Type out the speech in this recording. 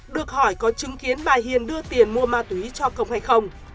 được hỏi có chứng kiến bà hiền đưa tiền mua ma túy cho công hay không